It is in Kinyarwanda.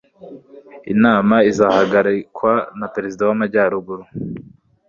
Inama izahagarikwa n' a Perezinda wa majya ruguru.